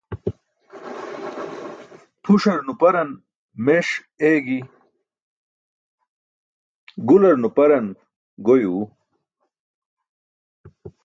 Pʰuṣar nuparan meṣ eegi, gular nuparan goy uu.